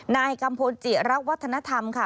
นายกัมพลจิระวัฒนธรรมค่ะ